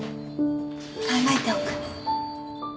考えておく。